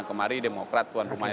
kemari demokrat tuan rumahnya